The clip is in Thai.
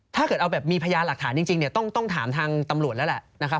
ถ้าเกิดเอาแบบมีพยานหลักฐานจริงเนี่ยต้องถามทางตำรวจแล้วแหละนะครับ